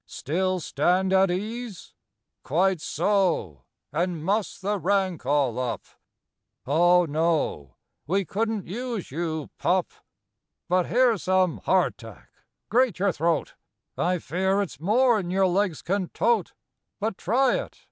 Still stand at ease? Quite so—and muss the rank all up— Oh no, we couldn't use you, pup! But here's some "hard tack." Grate your throat! I fear it's more'n your legs can tote, But try it.